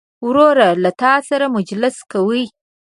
ورور له تا سره مجلس کوي.